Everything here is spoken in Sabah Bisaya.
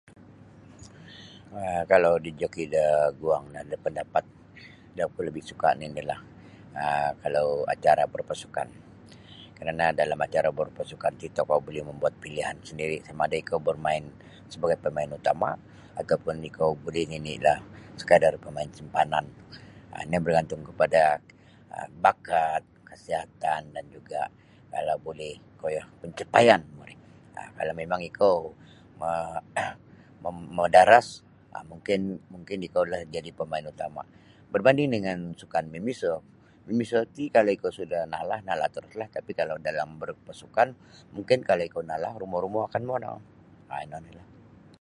um Kalau da joki da guang no da pandapat oku labih suka nini lah um kalau acara barpasukan kerana dalam acara barpasukan ti tokou buli mambuat pilihan sandiri samaada ikau bermain sabagai pamain utama ataupun ikau buli nini lah sekadar pamain simpanan um ino bargantung kapada um bakat, kasiatan dan juga kalau buli koyo pancapaian mu ri um kalau mimang ikau ma madaras mungkin mungkin ikau lah jadi pamain utama berbanding dangan sukan mimiso mimiso ti kalau ikau suda nalah nalah teruslah tapi kalau dalam berpasukan mungkin kalau ikau nalah rumo-rumo akan muanang ino oni lah.